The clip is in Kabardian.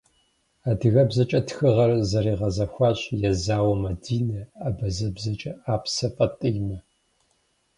АдыгэбзэкӀэ тхыгъэр зэригъэзэхуащ Езауэ Мадинэ, абазэбэкӀэ - Апсэ ФатӀимэ.